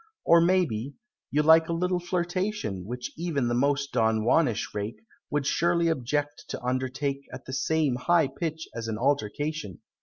Or, maybe, you like a little flirtation, Which even the most Don Juanish rake Would surely object to undertake At the same high pitch as an altercation.